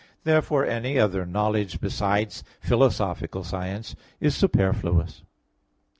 Therefore any other knowledge besides philosophical science is superfluous.